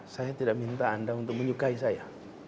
saya tidak minta anda untuk menyukai saya